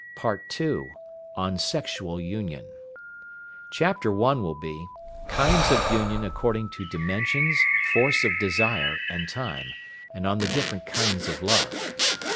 PART II. ON SEXUAL UNION. Chapter I. Kinds of Union according to Dimensions, Force of Desire, and Time; and on the different kinds of Love.